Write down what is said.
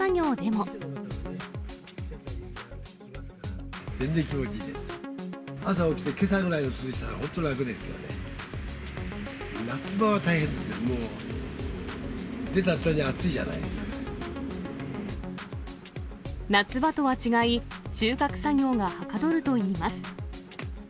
もう、夏場とは違い、収穫作業がはかどるといいます。